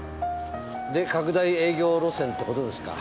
で拡大営業路線って事ですか。